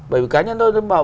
bởi vì cá nhân tôi tôi bảo